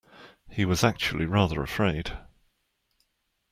He was actually rather afraid